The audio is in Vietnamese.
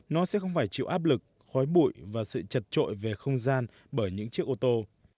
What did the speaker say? nó sẽ không phải chịu áp lực khói bụi và sự chật trội về không gian bởi những chiếc ô tô